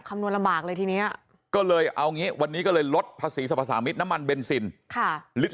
คำนวณลำบากเลยทีนี้ก็เลยเอางี้วันนี้ก็เลยลดภาษีสรรพสามิตรน้ำมันเบนซิน